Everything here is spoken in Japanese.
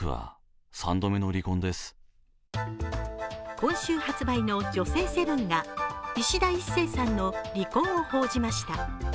今週発売の「女性セブン」がいしだ壱成さんの離婚を報じました。